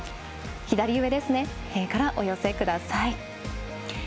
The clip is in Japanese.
左上からお寄せください。